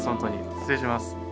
失礼します。